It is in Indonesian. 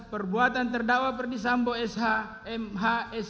perbuatan terdakwa perdisambo sh